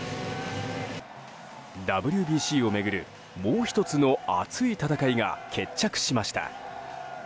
ＷＢＣを巡る、もう１つの熱い戦いが決着しました。